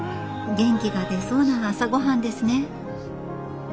元気が出そうな朝ごはんですね。